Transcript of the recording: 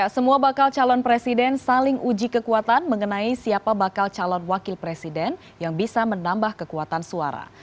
semua bakal calon presiden saling uji kekuatan mengenai siapa bakal calon wakil presiden yang bisa menambah kekuatan suara